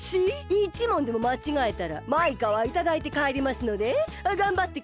１問でもまちがえたらマイカはいただいてかえりますのでがんばってください。